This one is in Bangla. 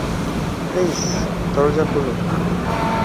প্লিজ, দরজা খুলো।